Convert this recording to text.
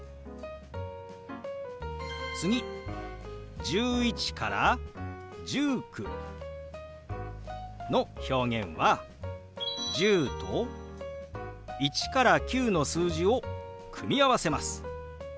次１１から１９の表現は「１０」と１から９の数字を組み合わせます。